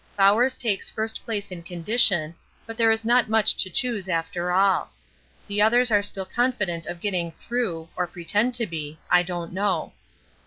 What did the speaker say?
Bowers takes first place in condition, but there is not much to choose after all. The others are still confident of getting through or pretend to be I don't know!